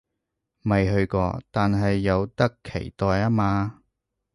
未去過，但係有得期待吖嘛